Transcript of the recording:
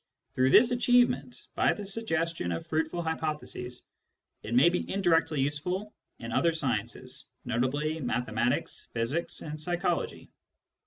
Through this achievement, by the suggestion of fruitful hypotheses, it may be indirectly useful in other sciences, notably mathematics, physics, and psychology.